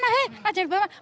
nah jenggot dibawa